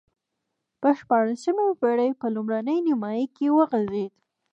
په شپاړسمې پېړۍ په لومړۍ نییمایي کې وغځېد.